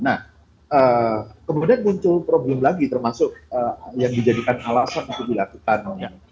nah kemudian muncul problem lagi termasuk yang dijadikan alasan untuk dilakukan